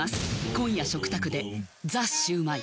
今夜食卓で「ザ★シュウマイ」